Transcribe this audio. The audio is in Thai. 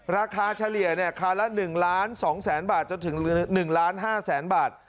ราคาเฉลี่ยคาระ๑๒๐๐๐๐๐บาทจนถึง๑๕๐๐๐๐๐บาท